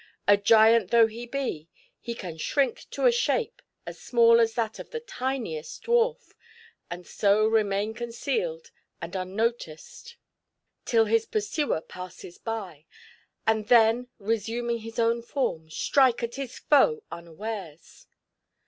A giant though he be, he can shrink to a shape as small as that of the tiniest dwar^ and so remain concealed and unnoticed till his pursuer passes by, and then, reamning his own form, strike at his foe unawares."